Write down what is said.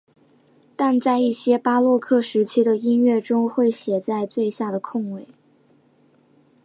但在一些巴洛克时期的音乐中会写在最下的空位。